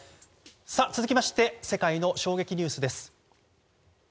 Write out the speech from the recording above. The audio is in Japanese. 続きまして世界の衝撃ニュースです。